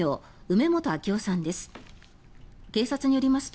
梅本昭雄さんです。